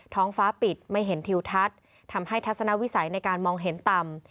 ท้องฟ้าปิดไม่เห็นทิวทัศน์ทำให้ทัศนวิสัยในการมองเห็นต่ำ